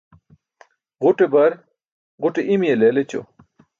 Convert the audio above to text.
Ġuṭe bar ġuṭe i̇mi̇ye leel ećo.